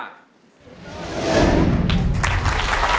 บรรเทิมบรรเทิม